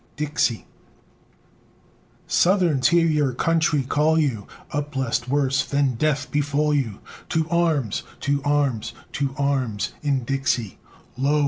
DIXIE Southrons, hear your country call you! Up, lest worse than death befall you! To arms! To arms! To arms, in Dixie! Lo!